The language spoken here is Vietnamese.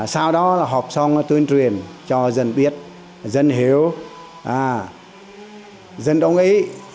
sau đó là họp xong tuyên truyền cho dân biết dân hiểu dân đồng ý